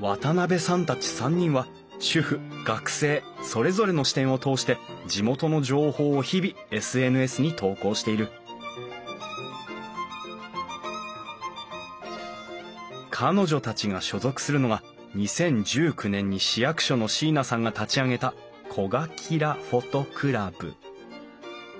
渡辺さんたち３人は主婦学生それぞれの視点を通して地元の情報を日々ＳＮＳに投稿している彼女たちが所属するのが２０１９年に市役所の椎名さんが立ち上げた「こがキラＰｈｏｔｏクラブ」。